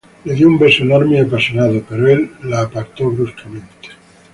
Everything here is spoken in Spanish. Le dio un beso enorme y apasionado... Pero él la apartó bruscamente.